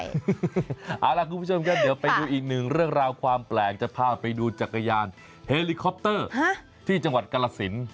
เอาล่ะคุณผู้ชมครับเดี๋ยวไปดูอีกหนึ่งเรื่องราวความแปลกจะพาไปดูจักรยานเฮลิคอปเตอร์ที่จังหวัดกรสิน